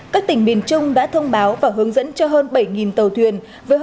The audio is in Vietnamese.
các tỉnh miền trung đã thông báo và hướng dẫn cho hơn bảy tàu thuyền